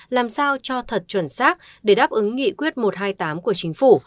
làm sao cho thật chuẩn xác để đáp ứng nghị quyết một trăm hai mươi tám của chính phủ